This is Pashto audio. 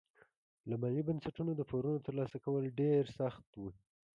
له مالي بنسټونو د پورونو ترلاسه کول ډېر سخت وي.